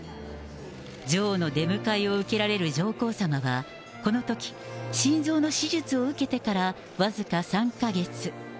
女王の出迎えを受けられる上皇さまは、このとき、心臓の手術を受けてから僅か３か月。